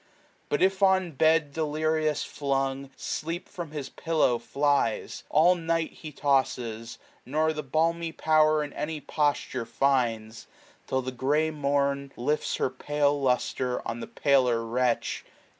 But if on bed Delirious flung, sleep from his pillow flies. 1045 All night he tosses, nor the balmy power In any posture finds j till the grey mom Lifts her pale lustre on the paler wretch.